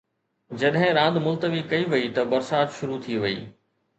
جڏهن راند ملتوي ڪئي وئي ته برسات شروع ٿي وئي.